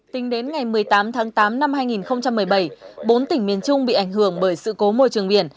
tính đến ngày một mươi tám tháng tám năm hai nghìn một mươi bảy bốn tỉnh miền trung bị ảnh hưởng bởi sự cố môi trường biển